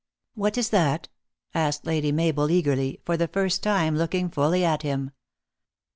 "What is that?" asked Lady Mabel eagerly for the first time looking fully at him.